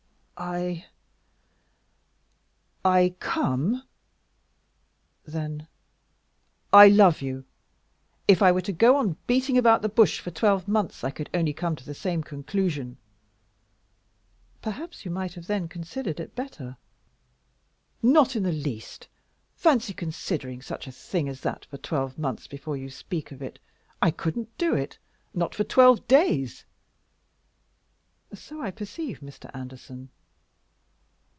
"I I Come, then; I love you! If I were to go on beating about the bush for twelve months I could only come to the same conclusion." "Perhaps you might then have considered it better." "Not in the least. Fancy considering such a thing as that for twelve months before you speak of it! I couldn't do it, not for twelve days." "So I perceive, Mr. Anderson."